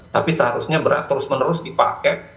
tapi seharusnya berat terus menerus dipakai